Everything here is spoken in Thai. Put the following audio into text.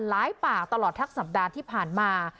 ปากตลอดทั้งสัปดาห์ที่ผ่านมา